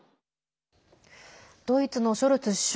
ドイツのショルツ首相。